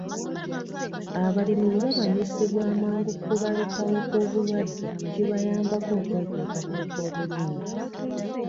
Abalimi bwe bamanyisibwa amangu ku kubalukawo kw'obulwadde, kibayambako okweteekateeka obulungi